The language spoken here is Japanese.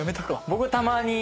僕はたまに。